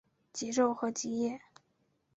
极昼和极夜。